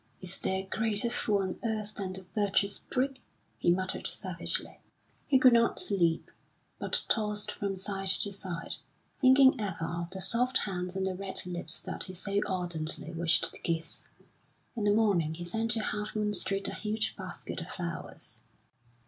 "Is there a greater fool on earth than the virtuous prig?" he muttered, savagely. He could not sleep, but tossed from side to side, thinking ever of the soft hands and the red lips that he so ardently wished to kiss. In the morning he sent to Half Moon Street a huge basket of flowers.